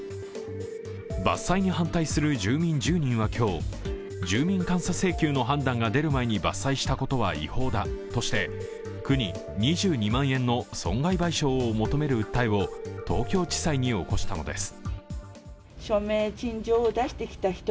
伐採に反対する住民１０人は今日、住民監査請求の判断が出る前に伐採したことは違法だとして区に２２万円の損害賠償を求める訴えを東京地裁に起こしたのです。